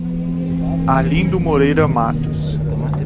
Arlindo Moreira Matos